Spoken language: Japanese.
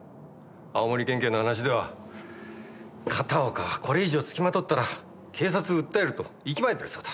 青森県警の話では片岡はこれ以上付きまとったら警察を訴えると息巻いてるそうだ。